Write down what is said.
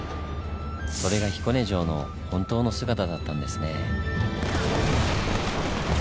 それが彦根城の本当の姿だったんですねぇ。